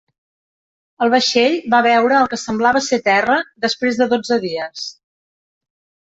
El vaixell va veure el que semblava ser terra després de dotze dies.